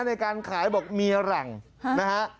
ในการขายบอกเมียหลังนะฮะ